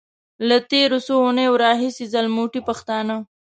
له تېرو څو اونيو راهيسې ځلموټي پښتانه.